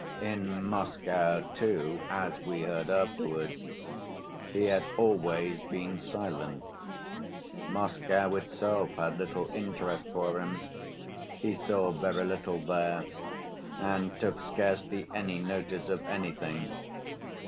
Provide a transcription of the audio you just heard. In Moscow, too, as we heard afterwards, he had always been silent. Moscow itself had little interest for him; he saw very little there, and took scarcely any notice of anything.